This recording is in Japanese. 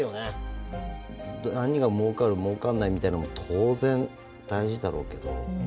何がもうかるもうかんないみたいのも当然大事だろうけど。